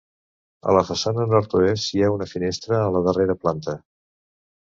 A la façana nord-oest hi ha una finestra a la darrera planta.